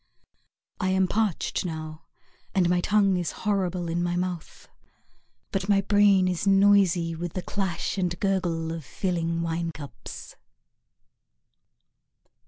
I am parched now, and my tongue is horrible in my mouth, But my brain is noisy With the clash and gurgle of filling wine cups.